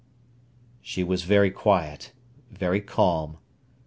She was very quiet, very calm.